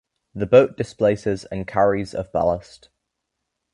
The boat displaces and carries of ballast.